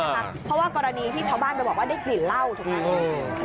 เพราะว่ากรณีที่ชาวบ้านไปบอกว่าได้กลิ่นเหล้าถูกไหม